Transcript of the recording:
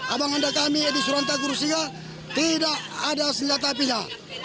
abang anda kami edi suranta guru singapura tidak ada senjata apinya